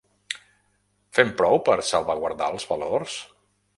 Fem prou per salvaguardar els valors?